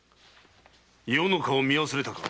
余の顔を見忘れたか？